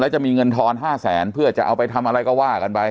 จะมีเงินทอน๕แสนเพื่อจะเอาไปทำอะไรก็ว่ากันไป